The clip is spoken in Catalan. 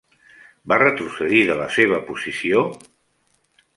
Va retrocedir de la seva posició?